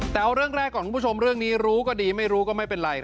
แต่เอาเรื่องแรกก่อนคุณผู้ชมเรื่องนี้รู้ก็ดีไม่รู้ก็ไม่เป็นไร